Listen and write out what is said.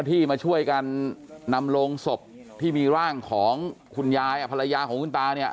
ที่มาช่วยกันนำโรงศพที่มีร่างของคุณยายภรรยาของคุณตาเนี่ย